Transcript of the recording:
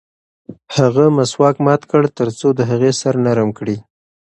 هغه مسواک مات کړ ترڅو د هغې سر نرم کړي.